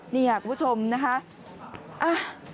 นี่ค่ะคุณผู้ชมนะคะ